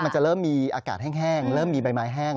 มันจะเริ่มมีอากาศแห้งเริ่มมีใบไม้แห้ง